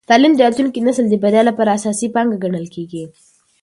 تعلیم د راتلونکي نسل د بریا لپاره اساسي پانګه ګڼل کېږي.